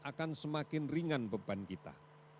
akan semakin ringan beban kita